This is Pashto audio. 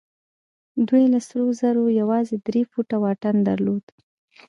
دوی له سرو زرو يوازې درې فوټه واټن درلود.